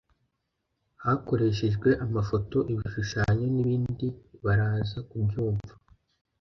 hakoreshejwe amafoto ibishushanyo n ibindi baraza kubyumva